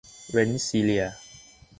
เรนส์ซีเลียร์